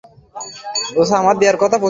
অন্য কোনো প্রাণীকে জিজ্ঞাসা করে দেখব।